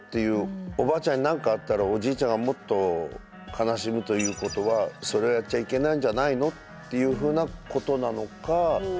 おばあちゃんに何かあったらおじいちゃんがもっと悲しむということはそれをやっちゃいけないんじゃないのっていうふうなことなのか。